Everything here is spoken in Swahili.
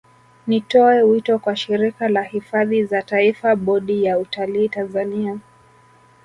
Nitoe wito kwa Shirika la Hifadhi za Taifa Bodi ya Utalii Tanzania